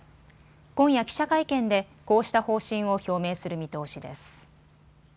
今夜、記者会見でこうした方針を表明する見通しです。